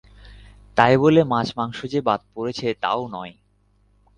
তাই বলে মাছ মাংস যে বাদ পড়েছে, তা ও নয়।